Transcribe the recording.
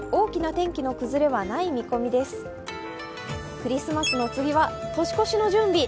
クリスマスの次は年越しの準備。